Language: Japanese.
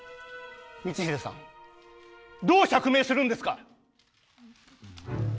光秀さんどう釈明するんですか！？